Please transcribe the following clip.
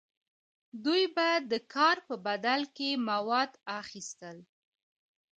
دوی به د کار په بدل کې مواد اخیستل.